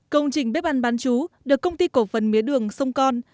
công trình bếp ăn bán chú được công ty cổ phần mía đường sông con